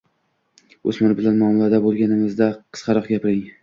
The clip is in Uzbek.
O‘smir bilan muomalada bo‘lganingizda, qisqaroq gapiring.